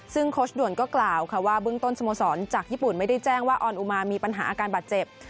ซึ่งโค้ชด่วนก็กล่าวค่ะว่าเบื้องต้นสโมสรจากญี่ปุ่นไม่ได้แจ้งว่าออนอุมามีปัญหาอาการบาดเจ็บ